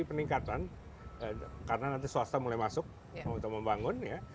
peningkatan karena nanti swasta mulai masuk untuk membangun ya